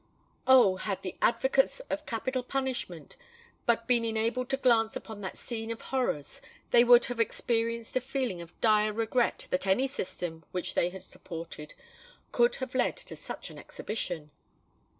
Oh! had the advocates of capital punishment but been enabled to glance upon that scene of horrors, they would have experienced a feeling of dire regret that any system which they had supported could have led to such an exhibition!